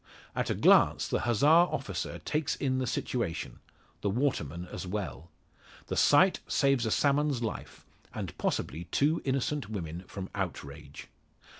At a glance the Hussar officer takes in the situation the waterman as well. The sight saves a salmon's life, and possibly two innocent women from outrage.